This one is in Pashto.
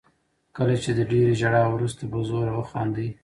کله چې د ډېرې ژړا وروسته په زوره وخاندئ.